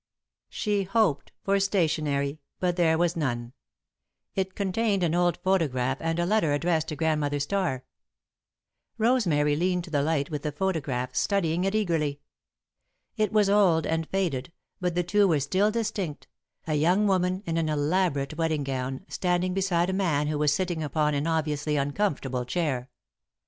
She hoped for stationery, but there was none. It contained an old photograph and a letter addressed to Grandmother Starr. Rosemary leaned to the light with the photograph, studying it eagerly. It was old and faded, but the two were still distinct a young woman in an elaborate wedding gown, standing beside a man who was sitting upon an obviously uncomfortable chair.